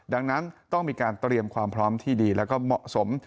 ดังนั้นต้องมีการเตรียมความพร้อมที่ดีแล้วก็เหมาะสม